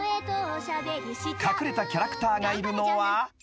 ［隠れたキャラクターがいるのは］